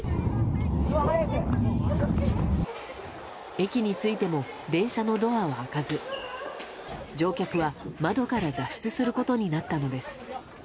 駅に着いても電車のドアは開かず乗客は窓から脱出することになったのです。